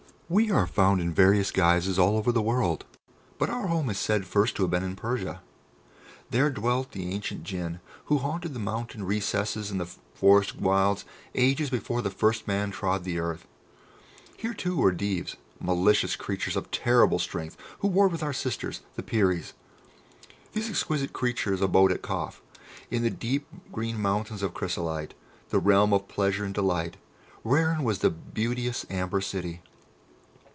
We are found in various guises all over the world, but our home is said first to have been in Persia. There dwelt the ancient Jinn who haunted the mountain recesses and the forest wilds ages before the first man trod the earth. Here, too, were Deevs, malicious creatures of terrible strength who warred with our sisters, the Peries. These exquisite creatures abode at Kâf, in the deep green mountains of Chrysolite, the realm of Pleasure and Delight, wherein was the beauteous Amber City.